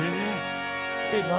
えっ何？